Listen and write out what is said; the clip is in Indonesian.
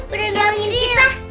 biarin bantuin kita